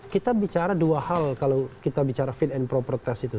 kita bicara dua hal kalau kita bicara fit and proper test itu